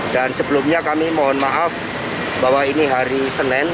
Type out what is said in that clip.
dan sebelumnya kami mohon maaf bahwa ini hari senin